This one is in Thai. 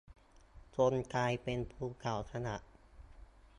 จนกลายเป็นภูเขาขยะ